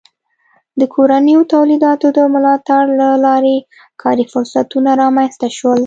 د کورنیو تولیداتو د ملاتړ له لارې کاري فرصتونه رامنځته سول.